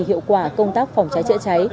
hiệu quả công tác phòng cháy chữa cháy